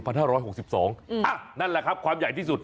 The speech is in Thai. นั่นแหละครับความใหญ่ที่สุด